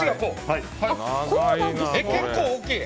結構、大きい。